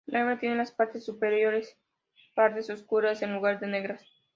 La hembra tiene las partes superiores pardas oscuras en lugar de negras.